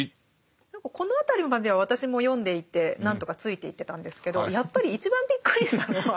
何かこの辺りまでは私も読んでいて何とかついていってたんですけどやっぱり一番びっくりしたのは。